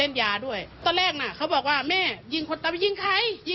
เสพยาเสพติดเข้าไปด้วยไม่อย่างนั้นคงไม่เจอ